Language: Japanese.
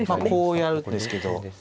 こうやるんですけど。